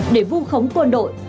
để vô khống quân đội